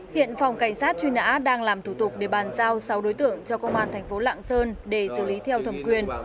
hiện phòng cảnh sát truy nã đang làm thủ tục để bàn giao sáu đối tượng cho công an thành phố lạng sơn để xử lý theo thẩm quyền